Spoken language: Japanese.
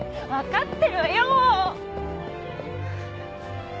分かってるわよ！